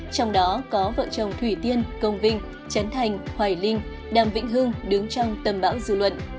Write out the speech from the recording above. trong đó có vợ chồng thủy tiên công vinh trấn thành hoài linh đàm vĩnh hương đứng trong tầm bão dư luận